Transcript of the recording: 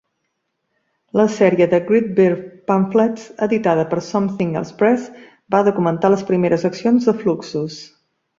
La sèrie de "Great Bear Pamphlets" editada per Something Else Press va documentar les primeres accions de Fluxus.